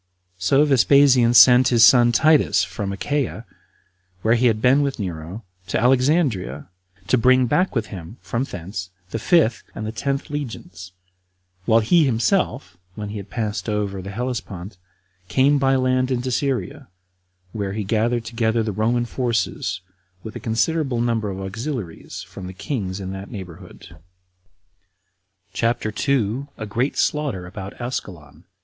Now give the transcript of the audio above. So Vespasian sent his son Titus from Achaia, where he had been with Nero, to Alexandria, to bring back with him from thence the fifth and the tenth legions, while he himself, when he had passed over the Hellespont, came by land into Syria, where he gathered together the Roman forces, with a considerable number of auxiliaries from the kings in that neighborhood. CHAPTER 2. A Great Slaughter About Ascalon.